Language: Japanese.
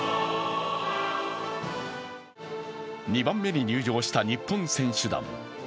２番目に入場した日本選手団。